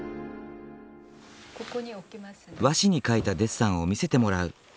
和紙に描いたデッサンを見せてもらう。